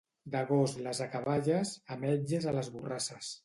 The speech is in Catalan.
D'agost les acaballes, ametlles a les borrasses.